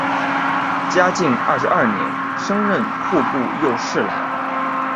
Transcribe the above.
嘉靖二十二年升任户部右侍郎。